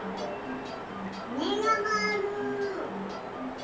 めがまわる。